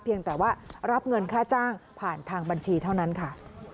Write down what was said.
เพียงแต่ว่ารับเงินค่าจ้างผ่านทางบัญชีเท่านั้นค่ะ